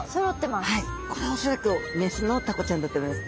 これ恐らく雌のタコちゃんだと思います。